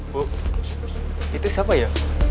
bu itu siapa ya